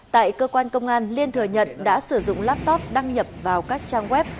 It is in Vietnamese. tại cơ quan công an liên thừa nhận đã sử dụng laptop đăng nhập vào các trang web